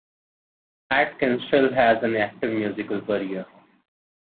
Atkins still has an active musical career.